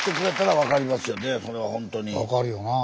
分かるよなぁ。